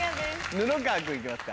布川君行きますか。